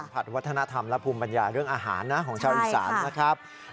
ผัดวัฒนธรรมและภูมิปัญญาเรื่องอาหารนะของชาวอีสานนะครับ